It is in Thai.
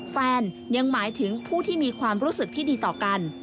แฟนยังหมายถึงผู้ที่มีความรู้สึกที่ดีต่อกัน